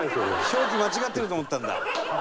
表記間違ってると思ったんだ。